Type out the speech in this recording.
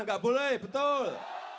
enggak boleh betul